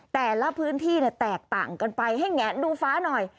แต่ละพื้นที่แตกต่างกันไปให้แงะดูฟ้าหน่อย